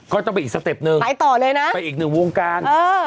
ก็ต้องไปอีกสเต็ปนึงไปอีกหนึ่งวงการ